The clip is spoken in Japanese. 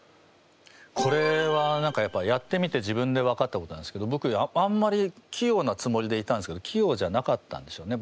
これは何かやっぱやってみて自分で分かったことなんですけどぼくあんまり器用なつもりでいたんですけど器用じゃなかったんでしょうね。